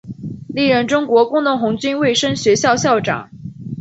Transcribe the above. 历任中国工农红军卫生学校校长。